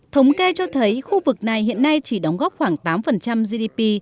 thống kê cho thấy khu vực này hiện nay chỉ đóng góp khoảng tám gdp